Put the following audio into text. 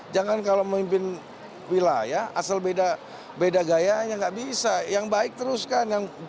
jangan kalau memimpin wilayah asal beda beda gayanya nggak bisa yang baik teruskan yang